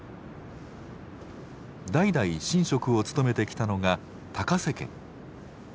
代々神職を務めてきたのが高家。